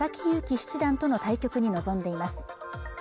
勇気七段との対局に臨んでいます